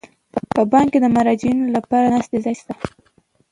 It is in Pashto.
په بانک کې د مراجعینو لپاره د ناستې ځای شته.